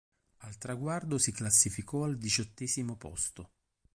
Al traguardo si classificò al diciottesimo posto.